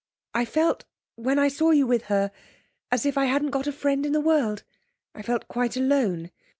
'I felt, when I saw you with her, as if I hadn't got a friend in the world. I felt quite alone.